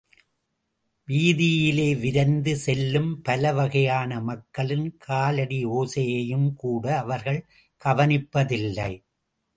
வீதியிலே விரைந்து செல்லும் பலவகையான மக்களின் காலடியோசையையும் கூட அவர்கள் கவனிப்பதில்லை.